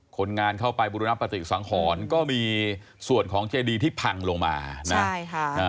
คนงานเข้าไปบุรณปฏิสังหรณ์ก็มีส่วนของเจดีที่พังลงมานะใช่ค่ะอ่า